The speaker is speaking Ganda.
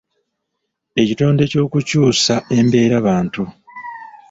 Ekitendo ky’okukyusa embeerabantu